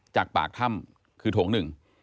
จากปากถ้ำคือโถง๑